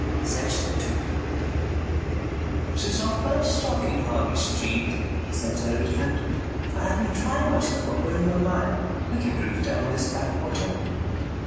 "Go on." Section 2 "Since our first talk in Harley Street," said Sir Richmond, "I have been trying myself over in my mind. (We can drift down this backwater.)"